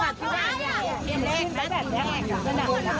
มันตัวยังใหญ่หนึ่ง